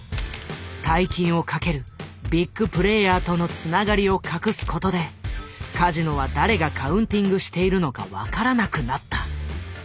大金を賭けるビッグプレイヤーとのつながりを隠すことでカジノは誰がカウンティングしているのか分からなくなった。